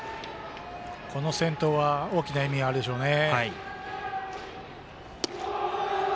この先頭は大きな意味があるでしょうね。